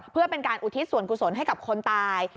เพื่อเป็นการอุทิศส่วนกุศลให้กับคนตาย